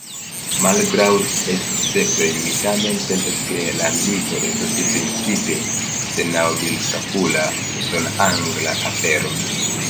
Malgraŭ esceptoj, mi tamen sentas, ke la milito estos principe senaŭdilkapula, usonangla afero.